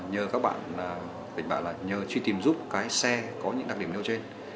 nhờ các bạn tỉnh bạ là nhờ truy tìm giúp cái xe có những đặc điểm nêu trên